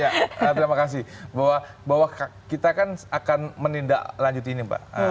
ya terima kasih bahwa kita kan akan menindak lanjut ini mbak